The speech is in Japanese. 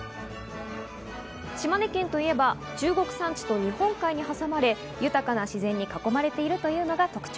島根県といえば中国山地と日本海に挟まれ、豊かな自然に囲まれているのが特徴。